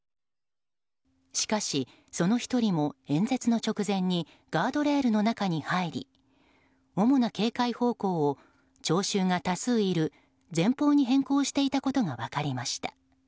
しかし、その１人も演説の直前にガードレールの中に入り主な警戒方向を聴衆が多数いる前方に変更していたことが分かりました。